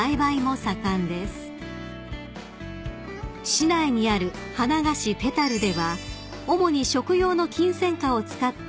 ［市内にある花菓子ＰＥＴＡＬでは主に食用のキンセンカを使った］